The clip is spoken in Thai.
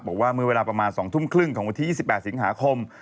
บอกว่าเมื่อเวลาประมาณ๒ทุ่มครึ่งของวันที่๒๘สิงหาคม